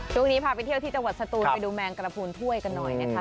ช่วงนี้พาไปเที่ยวที่จังหวัดสตูนไปดูแมงกระพูนถ้วยกันหน่อยนะคะ